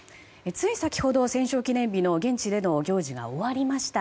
つい先ほど、戦勝記念日の現地での行事が終わりました。